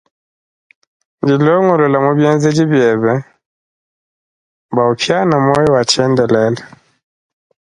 Dilongolole mu bienzedi biebe bua upiane muoyo wa tshiendelele.